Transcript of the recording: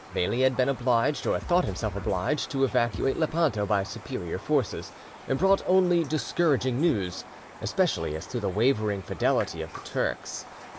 Veli had been obliged, or thought himself obliged, to evacuate Lepanto by superior forces, and brought only discouraging news, especially as to the wavering fidelity of the Turks.